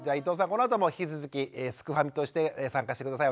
このあとも引き続きすくファミとして参加して下さい。